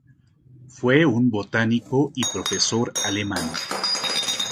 Fue un botánico y profesor alemán.